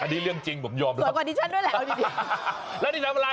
อันนี้เรื่องจริงผมยอมล่ะสวยกว่าดิชันด้วยแหละเอาดีแล้วนี่ช้างทำอะไร